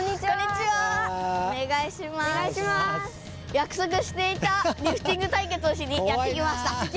やくそくしていたリフティング対決をしにやって来ました。